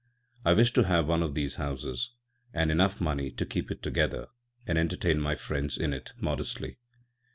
I wish to have one of these houses, and enough money to keep it together and entertain my friends in it modestly.